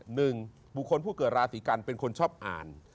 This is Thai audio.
หนึ่งบุคคลผู้เกิดราศีกันเป็นคนชอบอ่าน